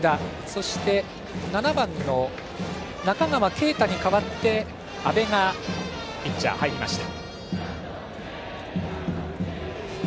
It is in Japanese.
そして７番の中川圭太に代わって阿部がピッチャーに入りました。